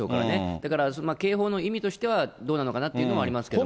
だから、警報の意味としてはどうなのかなというのはありますけれども。